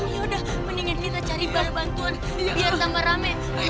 ya udah mendingan kita cari bantuan biar tambah rame